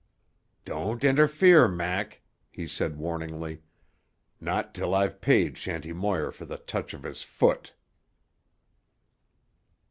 "Don't interfere, Mac," he said warningly. "Not till I've paid Shanty Moir for the touch of his foot."